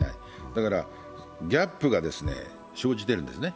だからギャップが生じてるんですね。